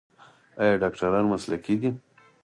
آیا ډاکټران مسلکي دي؟